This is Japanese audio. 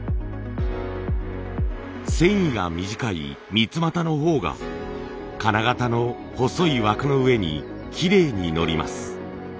繊維が短い三椏の方が金型の細い枠の上にきれいにのります。